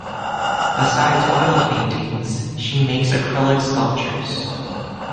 Besides oil paintings, she makes acrylic sculptures.